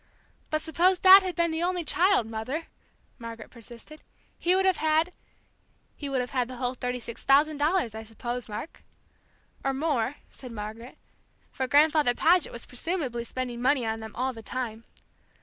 "But suppose Dad had been the only child, Mother," Margaret persisted, "he would have had " "He would have had the whole thirty six thousand dollars, I suppose, Mark." "Or more," said Margaret, "for Grandfather Paget was presumably spending money on them all the time."